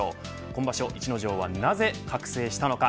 今場所、逸ノ城はなぜ覚醒したのか。